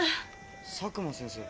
佐久間先生。